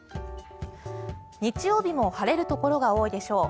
日曜日も晴れるところが多いでしょう。